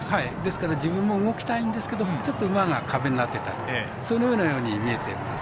自分も動きたいんですけどちょっと馬が壁になっていたとそのように見えています。